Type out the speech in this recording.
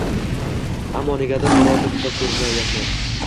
Ammo negadir birorta kitob ko‘rmayapman.